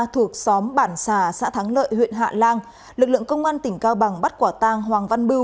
thuộc xóm bản xà xã thắng lợi huyện hạ lan